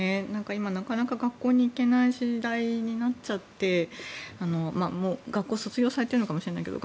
今、なかなか学校に行けない時代になっちゃって学校を卒業されているのかもしれないけど